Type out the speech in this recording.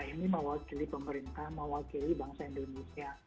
ini mewakili pemerintah mewakili bangsa indonesia